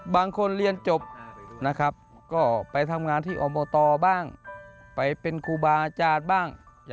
บางคนเรียนจบนะครับก็ไปทำงานที่อบตบ้างไปเป็นครูบาอาจารย์บ้าง